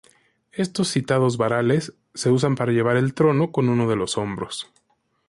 Estos citados varales se usan para llevar el trono con uno de los hombros.